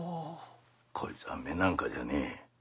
こいつは目なんかじゃねえ。